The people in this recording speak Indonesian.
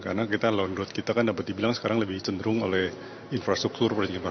karena kita lawan root kita kan dapat dibilang sekarang lebih cenderung oleh infrastruktur